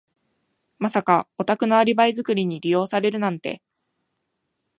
まさかお宅のアリバイ作りに利用されるなんて。